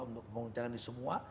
untuk mengurangkan semua